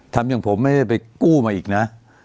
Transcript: ทำอย่างผมไม่ได้ไปกู้มาอีกนะ